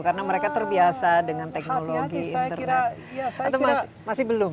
karena mereka terbiasa dengan teknologi internet